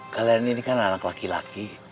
kalian ini kan anak laki laki